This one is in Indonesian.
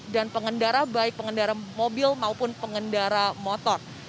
dan pengendara baik pengendara mobil maupun pengendara motor